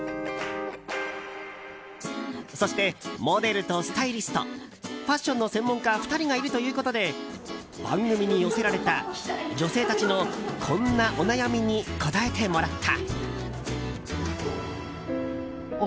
そして、モデルとスタイリストファッションの専門家２人がいるということで番組に寄せられた、女性たちのこんなお悩みに答えてもらった。